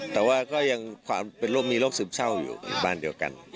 แต่ว่าก็ยังมีโรคซึมเศร้าอยู่อยู่บ้านเดียวกัน